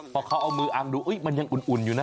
พอเขาเอามืออังดูมันยังอุ่นอยู่นะ